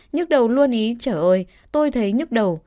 nhức đầu luôn ý chở ơi tôi thấy nhức đầu